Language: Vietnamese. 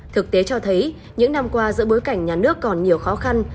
thực tế cho thấy những năm qua giữa bối cảnh nhà nước còn nhiều khó khăn